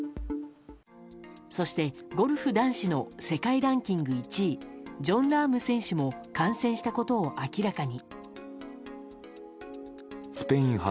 そして、ゴルフ男子の世界ランキング１位ジョン・ラーム選手も感染したことを明らかに。